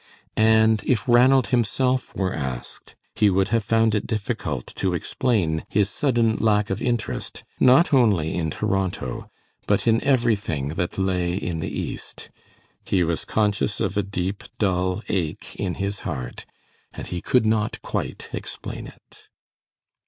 And if Ranald himself were asked, he would have found it difficult to explain his sudden lack of interest, not only in Toronto, but in everything that lay in the East. He was conscious of a deep, dull ache in his heart, and he could not quite explain it.